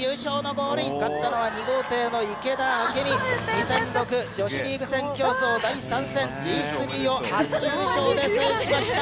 ２００６女子リーグ戦競走第３戦Ｇ３を初優勝で制しました。